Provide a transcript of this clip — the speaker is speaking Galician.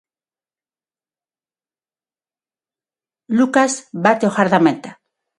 Lucas bate o gardameta.